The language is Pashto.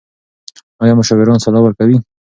ایا مشاوران سلا ورکوي؟